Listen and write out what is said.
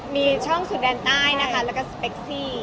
มีช่องสุดแดนใต้นะคะแล้วก็สเปคซี่